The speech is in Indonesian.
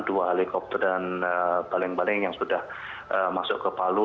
dua helikopter dan baleng baleng yang sudah masuk ke palu